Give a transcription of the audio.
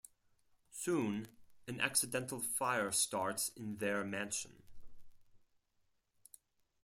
Soon, an accidental fire starts in their mansion.